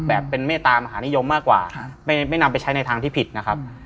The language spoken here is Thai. แบบเป็นเมตตามหานิยมมากกว่าไม่นำไปใช้ในทางที่ผิดนะครับ